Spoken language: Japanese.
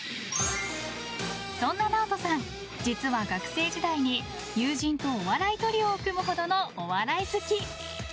そんなＮＡＯＴＯさん、実は学生時代に友人とお笑いトリオを組むほどのお笑い好き。